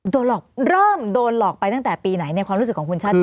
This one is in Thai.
เริ่มโดนหลอกไปตั้งแต่ปีไหนในความรู้สึกของคุณชาติ